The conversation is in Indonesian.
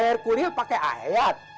bayar kuliah pakai ayat